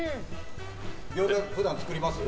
餃子は普段作ります？